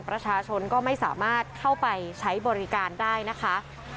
ประชาชนก็ไม่สามารถเข้าไปใช้บริการได้นะคะ